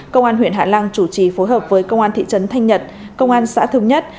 công an huyện hạ lăng chủ trì phối hợp với công an thị trấn thanh nhật công an xã thống nhất